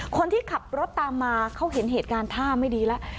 คนที่ขับรถตามมาเขาเห็นเหตุการณ์ท่าไม่ดีแล้ว